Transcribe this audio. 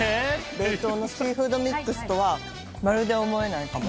冷凍のシーフードミックスとはまるで思えないかも。